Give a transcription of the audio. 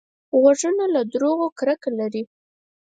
غوږونه له دروغو کرکه لري